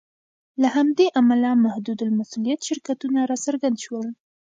له همدې امله محدودالمسوولیت شرکتونه راڅرګند شول.